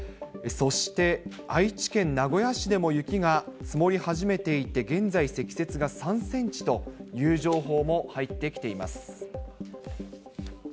そして愛知県名古屋市でも雪が積もり始めていて現在、積雪が３センチという情報も入ってきています。